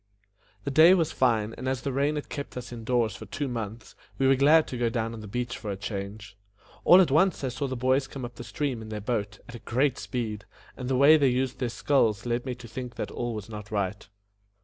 The day was fine, and as the rain had kept us in doors for two months, we were glad to go down on the beach for a change. All at once I saw the boys come up the stream in their boat, at a great speed, and the way they used their sculls led me to think that all was not right.